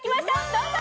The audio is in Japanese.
どうぞ！